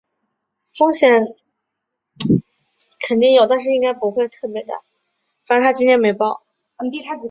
大穆瓦厄夫尔人口变化图示